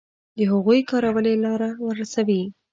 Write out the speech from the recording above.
د هغوی کارولې لاره ورسوي.